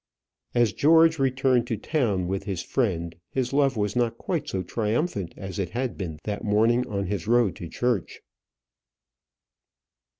As George returned to town with his friend, his love was not quite so triumphant as it had been that morning on his road to church.